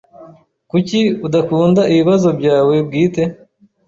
Kuki udakunda ibibazo byawe bwite?